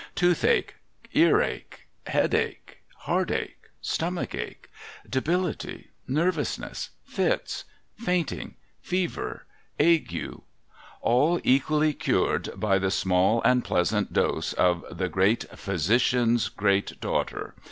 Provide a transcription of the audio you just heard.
Toothache, earache, headache, heartache, stomachache, debility, nervousness, fits, faint ing, fever, ague, all equally cured by the small and pleasant dose of the great Physician's great daughter